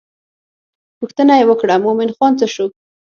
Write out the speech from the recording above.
پوښتنه یې وکړه مومن خان څه شو.